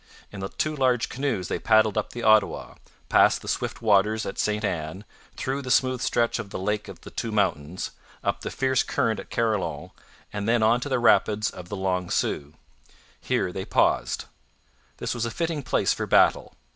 In two large canoes they paddled up the Ottawa, past the swift waters at Ste Anne, through the smooth stretch of the Lake of the Two Mountains, up the fierce current at Carillon, and then on to the rapids of the Long Sault. Here they paused; this was a fitting place for battle.